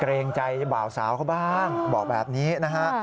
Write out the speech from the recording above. เกรงใจบ่าวสาวเขาบ้างบอกแบบนี้นะฮะ